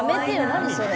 何それ。